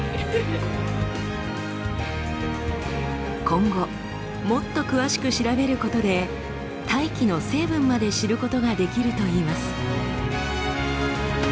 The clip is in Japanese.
今後もっと詳しく調べることで大気の成分まで知ることができるといいます。